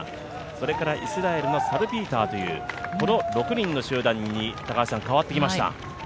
それからイスラエルのサルピーターというこの６人の集団に変わってきました